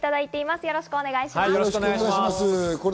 よろしくお願いします。